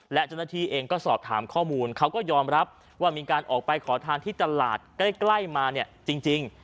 และเจ้าหน้าที่เองก็สอบถามข้อมูลเขาก็ยอมรับว่ามีการออกไปขอทานที่ตลาดใกล้มาเนี่ยจริง